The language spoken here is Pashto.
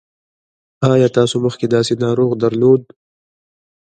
ایا تاسو مخکې داسې ناروغ درلود؟